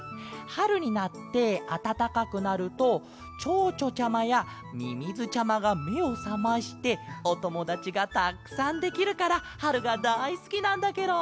はるになってあたたかくなるとチョウチョちゃまやミミズちゃまがめをさましておともだちがたくさんできるからはるがだいすきなんだケロ！